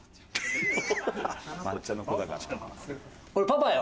これパパよ。